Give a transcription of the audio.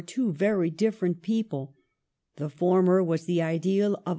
149 two very different people. The former was the ideal of a.